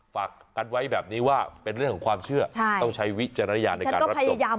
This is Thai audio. ฝากกันไว้แบบนี้ว่าเป็นเรื่องของความเชื่อต้องใช้วิจารณญาณในการรับชม